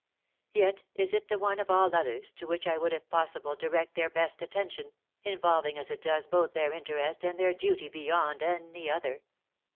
Yet is it the one of all others to which I would if possible direct their best attention, involving as it does both their interest and their duty be yond any other.